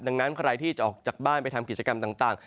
ดังนั้นใครที่จะออกจากบ้านไปทำกิจกรรมต่าง